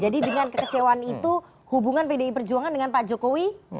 jadi dengan kecewaan itu hubungan pdi perjuangan dengan pak jokowi